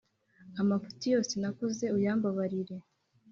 Amafuti yose nakoze uyambabarire